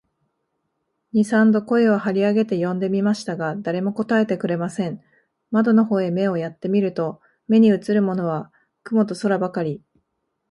二三度声を張り上げて呼んでみましたが、誰も答えてくれません。窓の方へ目をやって見ると、目にうつるものは雲と空ばかり、